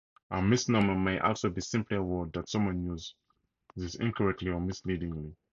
A misnomer may also be simply a word that someone uses incorrectly or misleadingly.